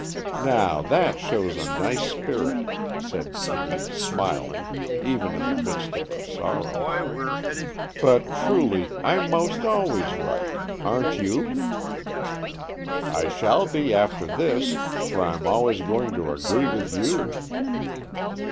"Now, that shows a nice spirit," said Kitty, smiling, even in the midst of her sorrow. "But, truly, I'm 'most always right; aren't you?" "I shall be after this, for I'm always going to agree with you."